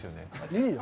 いいよ。